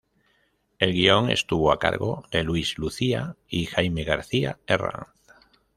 El guion estuvo a cargo de Luis Lucia y Jaime García-Herranz.